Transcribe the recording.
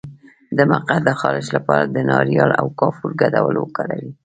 د مقعد د خارښ لپاره د ناریل او کافور ګډول وکاروئ